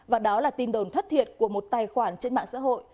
và đó là tin đồn thất thiệt của một tài khoản trên mạng xã hội